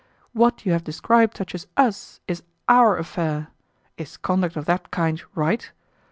"What you have described touches US, is OUR affair. Is conduct of that kind right?